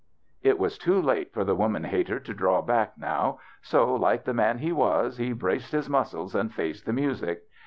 It was too late for the woman hater to draw back now, so, like the man he was, he braced his muscles and faced the music.